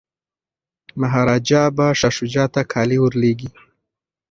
مهاراجا به شاه شجاع ته کالي ور لیږي.